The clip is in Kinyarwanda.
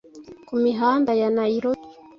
ku mihanda ya nairobi